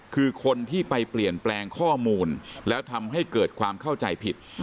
คือคนที่ไปเปลี่ยนแปลงข้อมูลแล้วทำให้เกิดความเข้าใจผิด